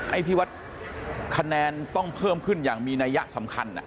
ไอ้ที่ว่าคะแนนต้องเพิ่มขึ้นอย่างมีนัยยะสำคัญ